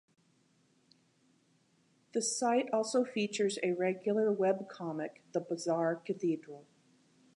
The site also features a regular webcomic "the Bizarre Cathedral".